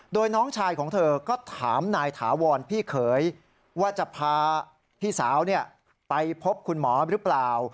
โดยน้องชายของเธอก็ถามนายถาวรพี่เขยว่าจะพาพี่สาวไปพบคุณหมอหรือเปล่า